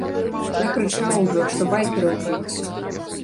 Я крычаў ужо, што байкераў б'юць.